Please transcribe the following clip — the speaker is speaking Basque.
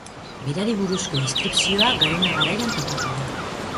Berari buruzko inskripzioa Garona Garaian topatu da.